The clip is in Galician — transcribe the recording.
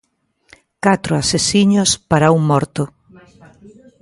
Catro asesiños para un morto.